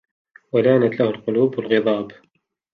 وَلَانَتْ لَهُ الْقُلُوبُ الْغِضَابُ